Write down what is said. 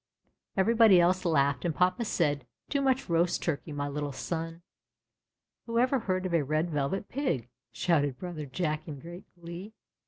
Everybody else laughed, and jia^m said, Too much roast turkey, my little son." ^^Who ever heard of a Red Velvet Pig!" shouted brother Jack in great glee.